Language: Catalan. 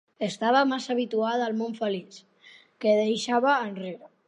Estava massa habituada al món feliç que deixava enrere.